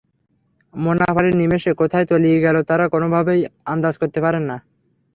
মুনাফ আলি নিমেষে কোথায় তলিয়ে গেল তারা কোনোভাবেই আন্দাজ করতে পারে না।